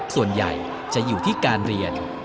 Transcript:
ส่วนใหญ่จะอยู่ที่การเรียน